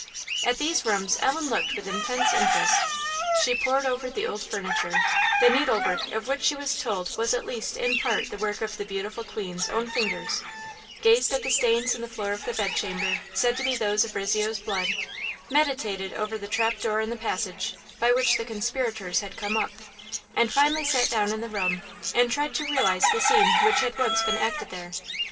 At these rooms Ellen looked with intense interest. She pored over the old furniture, the needlework of which she was told was at least in part the work of the beautiful Queen's own fingers; gazed at the stains in the floor of the bed chamber, said to be those of Rizzio's blood; meditated over the trap door in the passage, by which the conspirators had come up; and finally sat down in the room, and tried to realize the scene which had once been acted there.